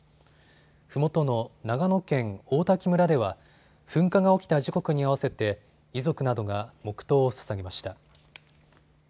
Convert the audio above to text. ふもとの長野県王滝村では噴火が起きた時刻に合わせて遺族などが黙とうをささげました。